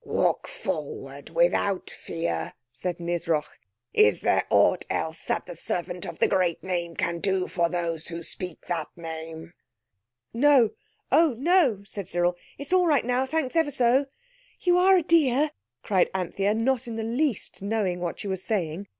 "Walk forward without fear," said Nisroch. "Is there aught else that the Servant of the great Name can do for those who speak that name?" "No—oh, no," said Cyril. "It's all right now. Thanks ever so." "You are a dear," cried Anthea, not in the least knowing what she was saying.